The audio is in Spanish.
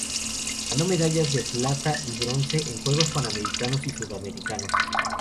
Ganó medallas de plata y bronce en Juegos Panamericanos y Sudamericanos.